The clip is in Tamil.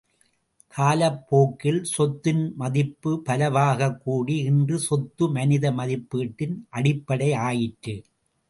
காலப் போக்கில் சொத்தின் மதிப்பு, பலவாகக் கூடி, இன்று சொத்து மனித மதிப்பீட்டின் அடிப்படை ஆயிற்று.